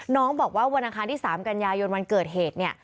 น้องบอกว่าวันอังคารที่๓กันยายนวันเกิดเหตุเนี่ย